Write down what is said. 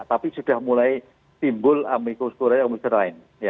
tapi sudah mulai timbul amicus kurai